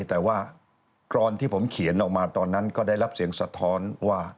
แต่ว่ากรอนที่ผมเขียนออกมาตอนนั้นก็ได้รับเสียงสะท้อนว่า